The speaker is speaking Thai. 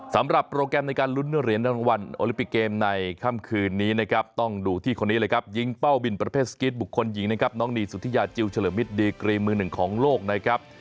สำหรับโปรแกรมในการลุ้นเหรียญรางวัลโอลิปิกเกมในค่ำคืนนี้นะครับต้องดูที่คนนี้เลยครับยิงเป้าบินประเภทสกิตบุคคลหญิงนะครับน้องนีสุธิยาจิลเฉลิมมิตรดีกรีมือหนึ่งของโลกนะครับ